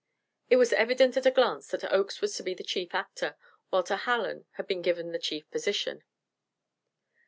It was evident at a glance that Oakes was to be the chief actor, while to Hallen had been given the chief position.